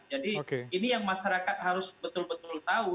jadi ini yang masyarakat harus betul betul tahu